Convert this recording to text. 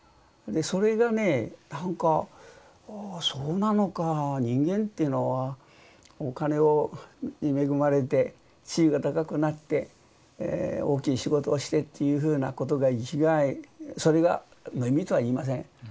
でそれがねなんかああそうなのかぁ人間っていうのはお金に恵まれて地位が高くなって大きい仕事をしてっていうふうなことが生きがいそれが無意味とは言いません。